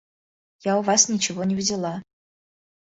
Я у вас ничего не взяла.